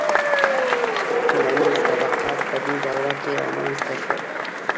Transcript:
• ټولنیز طبقات په دې دوره کې رامنځته شول.